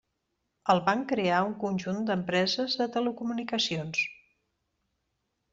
El van crear un conjunt d'empreses de telecomunicacions.